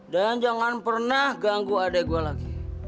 dan jangan pernah ganggu adek gue lagi